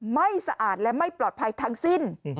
ไม่สะอาดและไม่ปลอดภัยทั้งสิ้น